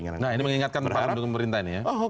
nah ini mengingatkan para pendukung pemerintah ini ya